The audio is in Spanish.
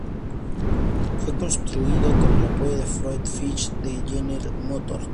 Fue construido con el apoyo de Fred Fisher de General Motors.